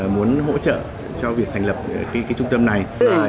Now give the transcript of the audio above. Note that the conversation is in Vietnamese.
muốn hỗ trợ cho việc thành lập trung tâm này